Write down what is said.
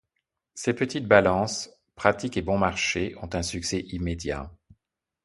Ces petites balances, pratiques et bon marché, ont un succès immédiat.